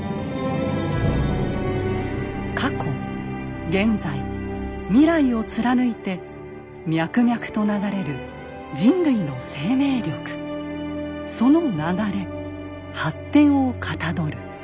「過去現在未来を貫いて脈々と流れる人類の生命力その流れ発展を象る」。